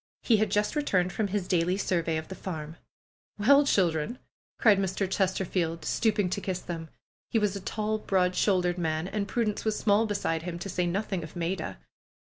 He had just returned from his daily survey of the farm. ^^Well, children !" cried Mr. Chesterfield, stooping to kiss them. He was a tall, broad shouldered man, and Prudence was small beside him, to say nothing of Maida.